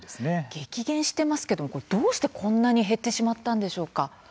激減していますがどうしてこんなに減ってしまったんでしょうか。